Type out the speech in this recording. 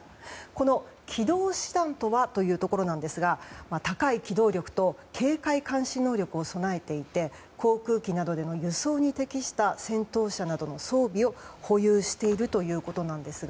この機動師団とはというところなんですが高い機動力と警戒監視能力を備えていて航空機などでの輸送に適した戦闘車などの装備を保有しているということですが。